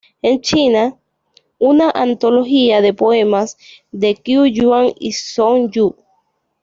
En China, una antología de poemas de Qu Yuan y Song Yu.